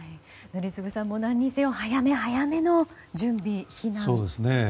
宜嗣さん、なんにせよ早め早めの準備、避難。